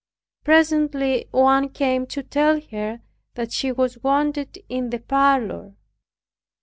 Presently one came to tell her that she was wanted in the parlor.